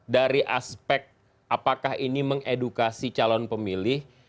dari aspek apakah ini mengedukasi calon pemilih